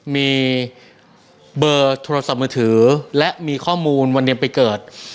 มีเบอร์โทรศัพท์มือถือและมีข้อมูลวันเรียนไปเกิด